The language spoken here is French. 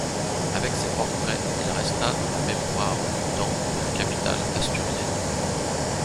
Avec ces portraits il resta dans la mémoire du temps de la capitale asturienne.